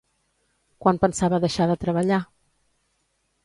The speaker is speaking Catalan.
Quan pensava deixar de treballar?